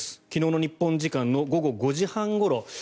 昨日の日本時間の午後５時半ごろ